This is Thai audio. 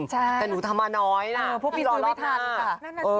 แต่หนูทำมาน้อยพวกพี่ซื้อไม่ทัน